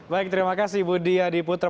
baik terima kasih budi adiputro